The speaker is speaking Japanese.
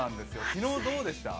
昨日どうでした？